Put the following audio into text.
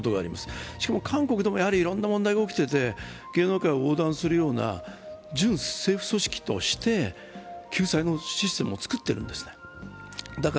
しかも韓国でも、やはりいろんな問題が起きていて芸能界を横断するような準政府組織として救済のシステムを作ってるんですね。